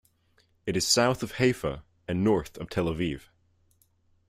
It is south of Haifa and north of Tel Aviv.